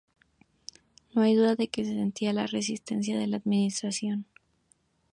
No hay duda de que sentía la resistencia de la administración.